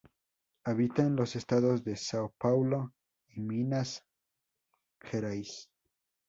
Habita en los estados de São Paulo y Minas Gerais.